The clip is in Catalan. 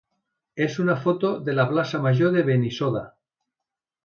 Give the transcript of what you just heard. és una foto de la plaça major de Benissoda.